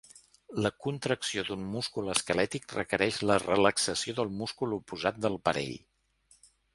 La contracció d'un múscul esquelètic requereix la relaxació del múscul oposat del parell.